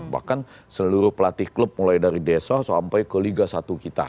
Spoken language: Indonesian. bahkan seluruh pelatih klub mulai dari desa sampai ke liga satu kita